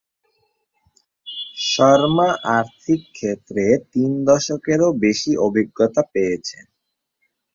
শর্মা আর্থিক ক্ষেত্রে তিন দশকেরও বেশি অভিজ্ঞতা পেয়েছেন।